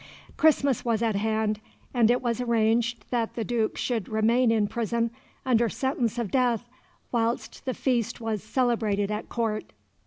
Christmas was at hand, and it was arranged that the Duke should remain in prison, under sentence of death, whilst the feast was celebrated at Court.